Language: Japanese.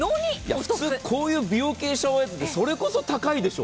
普通、こういう美容系シャワーヘッドってそれこそ高いでしょう？